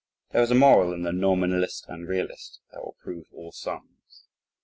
There is a moral in the "Nominalist and Realist" that will prove all sums.